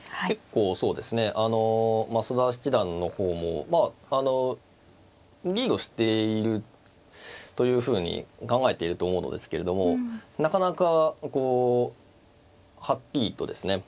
あの増田七段の方もまああのリードしているというふうに考えていると思うのですけれどもなかなかこうはっきりとですね